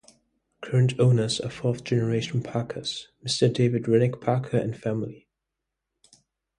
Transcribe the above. Current owners are fourth generation Parkers: Mr. David Renick Parker, and family.